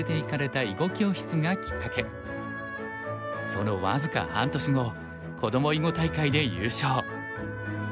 その僅か半年後子ども囲碁大会で優勝。